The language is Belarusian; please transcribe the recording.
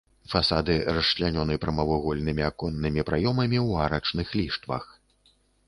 Фасады расчлянёны прамавугольнымі аконнымі праёмамі ў арачных ліштвах.